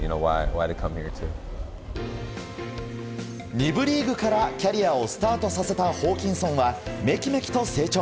２部リーグからキャリアをスタートさせたホーキンソンはめきめきと成長。